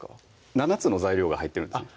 ７つの材料が入ってるんですね